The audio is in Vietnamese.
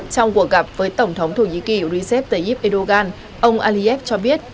trong cuộc gặp với tổng thống thổ nhĩ kỳ recep tayyip erdogan ông aliyev cho biết